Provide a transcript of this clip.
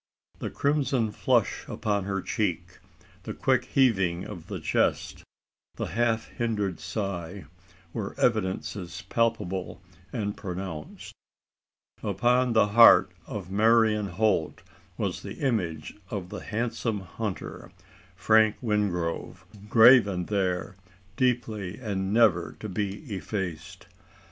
The crimson flush upon her cheek, the quick heaving of the chest, the half hindered sigh, were evidences palpable and pronounced. Upon the heart of Marian Holt was the image of the handsome hunter Frank Wingrove graven there, deeply and never to be effaced.